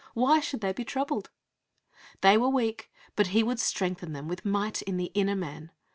Why should they be troubled? They were weak, but He would strengthen them with might in the inner man (Eph.